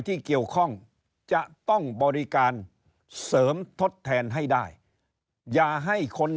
ที่เกี่ยวข้องจะต้องบริการเสริมทดแทนให้ได้อย่าให้คน